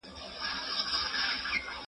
زه به لیکل کړي وي!